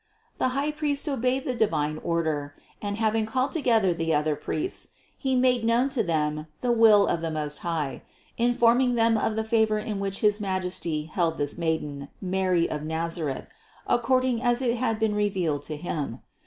746. The highpriest obeyed the divine order and, hav ing called together the other priests, he made known to them the will of the Most High, informing them of the favor in which his Majesty held this Maiden, Mary of Nazareth, according as it had been revealed to him.